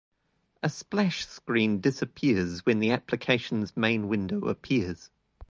A splash screen disappears when the application's main window appears.